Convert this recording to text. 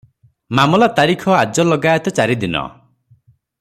ମାମଲା ତାରିଖ ଆଜଲଗାଏତ ଚାରିଦିନ ।